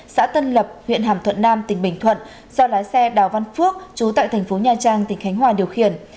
xã tân lập huyện hàm thuận nam tỉnh bình thuận do lái xe đào văn phước chú tại thành phố nha trang tỉnh khánh hòa điều khiển